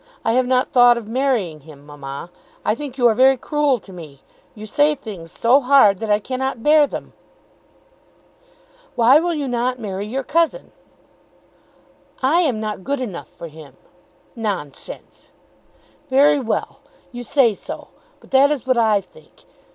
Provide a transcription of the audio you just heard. I have not thought of marrying him, mamma. I think you are very cruel to me. You say things so hard, that I cannot bear them." "Why will you not marry your cousin?" "I am not good enough for him." "Nonsense!" "Very well; you say so. But that is what I think.